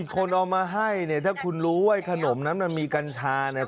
คนเอามาให้เนี่ยถ้าคุณรู้ว่าขนมนั้นมันมีกัญชาเนี่ย